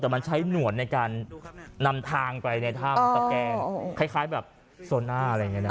แต่มันใช้หนวดในการนำทางไปในถ้ำตะแกงคล้ายแบบโซน่าอะไรอย่างนี้นะ